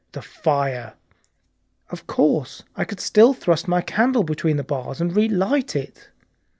The fire! Of course I could still thrust my candle between the bars and relight it.